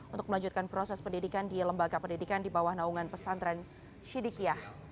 untuk melanjutkan proses pendidikan di lembaga pendidikan di bawah naungan pesantren syidikiah